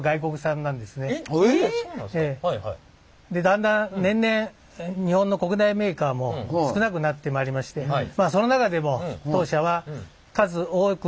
だんだん年々日本の国内メーカーも少なくなってまいりましてまあその中でも当社はなるほど。